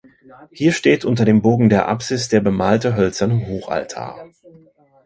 Hier steht unter dem Bogen der Apsis der bemalte hölzerne Hochaltar.